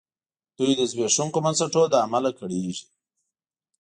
دوی د زبېښونکو بنسټونو له امله کړېږي.